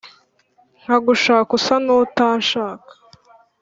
Nkagushaka usa nutanshaka